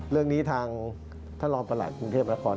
เรื่องนี้ทางท่านรองประหลัดกรุงเทพนคร